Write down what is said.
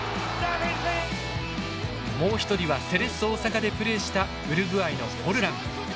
もう一人はセレッソ大阪でプレーしたウルグアイのフォルラン。